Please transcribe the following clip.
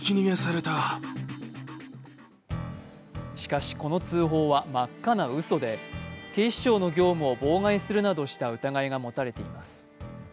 しかし、この通報は真っ赤なうそで警視庁の業務を妨害するなどした疑いが持たれています。